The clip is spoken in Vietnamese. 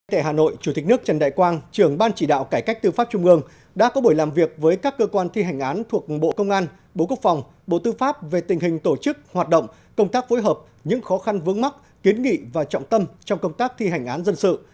tại hà nội chủ tịch nước trần đại quang trưởng ban chỉ đạo cải cách tư pháp trung ương đã có buổi làm việc với các cơ quan thi hành án thuộc bộ công an bộ quốc phòng bộ tư pháp về tình hình tổ chức hoạt động công tác phối hợp những khó khăn vướng mắt kiến nghị và trọng tâm trong công tác thi hành án dân sự